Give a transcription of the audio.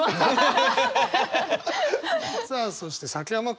さあそして崎山君。